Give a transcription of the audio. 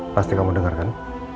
pasti kamu denger kan